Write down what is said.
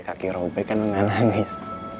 kaki robek kan gak nangis